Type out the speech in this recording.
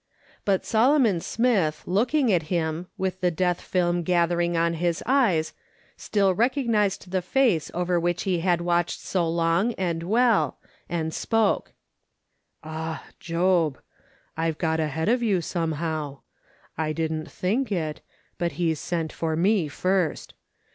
But Solomon Smith, looking at him, with the death film gathering on his eyes, still recognised the face over which he had watched so long and well, and spoke : "Ah, Job, I've got ahead of you somehow. I didn't think it, but He's sent for me first.